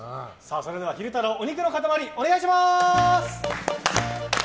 それでは、昼太郎お肉の塊お願いします。